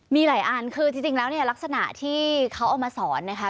มีหลายอันคือจริงแล้วเนี่ยลักษณะที่เขาเอามาสอนนะคะ